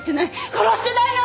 殺してないの！